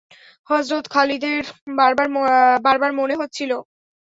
হযরত খালিদের বারবার মনে হচ্ছিল।